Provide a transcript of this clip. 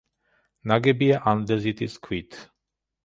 ნაგებია ანდეზიტის ქვით.